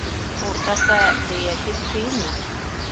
Уртаса һөйә тип, көйөнмә.